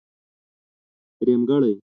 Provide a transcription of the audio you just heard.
درېمګړی.